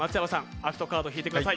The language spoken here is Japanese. アクトカード引いてください。